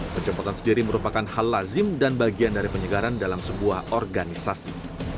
pencopotan sendiri merupakan hal lazim dan bagian dari penyegaran dalam sebuah organisasi